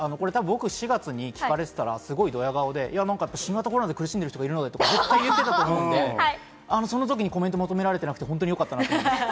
僕、４月に聞かれてたらすごいドヤ顔で新型コロナで苦しんでる人がいるのにって、その時にコメントを求められてなくて本当によかったなと。